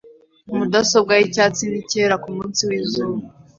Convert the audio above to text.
mudasobwa yicyatsi nicyera kumunsi wizuba